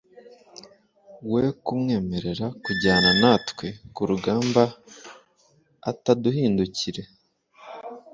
we kumwemerera kujyana natwe ku rugamba ataduhindukira